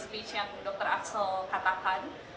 seperti tadi speech yang dr axel katakan